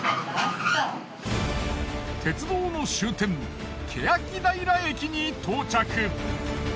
鉄道の終点欅平駅に到着。